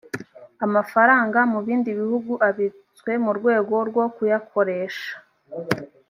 amafaranga mu bindi bihugu abitswe mu rwego rwo kuyakoresha